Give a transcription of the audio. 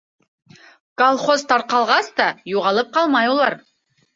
Колхоз тарҡалғас та юғалып ҡалмай улар.